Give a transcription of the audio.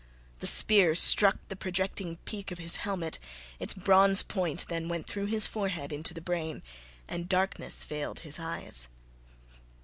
The spear struck the projecting peak of his helmet: its bronze point then went through his forehead into the brain, and darkness veiled his eyes.